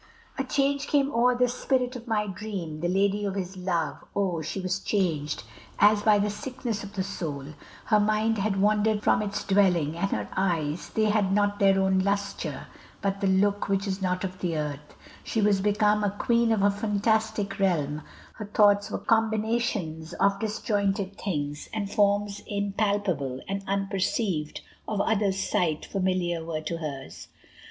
VII A change came o'er the spirit of my dream. The lady of his love oh! she was changed As by the sickness of the soul; her mind Had wandered from its dwelling, and her eyes, They had not their own lustre, but the look Which is not of the earth; she was become The queen of a fantastic realm; her thoughts Were combinations of disjointed things; And forms impalpable and unperceived Of others' sight, familiar were to hers.